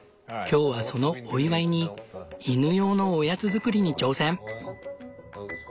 今日はそのお祝いに犬用のおやつ作りに挑戦！